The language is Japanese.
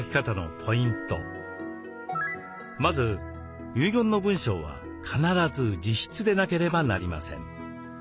まず遺言の文章は必ず自筆でなければなりません。